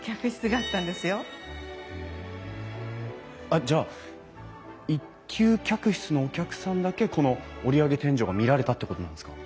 あっじゃあ１級客室のお客さんだけこの折り上げ天井が見られたってことなんですか？